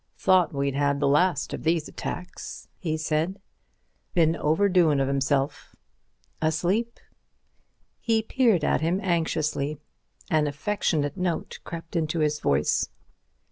"Thought we'd had the last of these attacks," he said. "Been overdoin' of himself. Asleep?" He peered at him anxiously. An affectionate note crept into his voice.